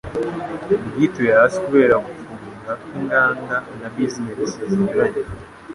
bwituye hasi kubera gufunga kw'inganda na za business zinyuranye.